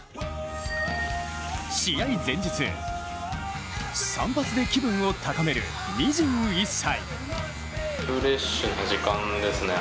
試合前日、散髪で気分を高める２１歳。